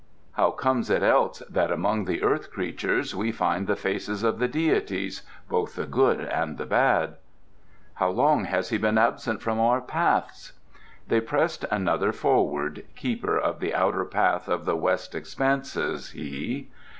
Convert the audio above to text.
How comes it else that among the earth creatures we find the faces of the deities both the good and the bad?" "How long has he been absent from our paths?" They pressed another forward keeper of the Outer Path of the West Expanses, he.